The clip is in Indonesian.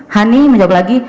hany menjawab lagi